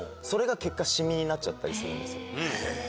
それが結果シミになっちゃったりするんですよ。